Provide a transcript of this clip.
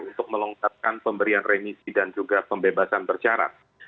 untuk melonggarkan pemberian remisi dan juga pembebasan bercarat